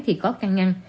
thì có căng ngăn